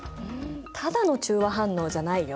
ただの中和反応じゃないよ。